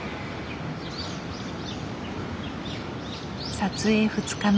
撮影２日目。